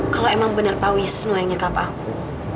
kalo emang bener pak wisnu yang nyekap aku